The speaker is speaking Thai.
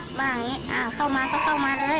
ว่าอย่างนี้เข้ามาก็เข้ามาเลย